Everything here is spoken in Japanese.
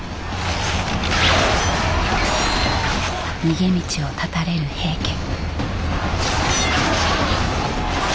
逃げ道を断たれる平家。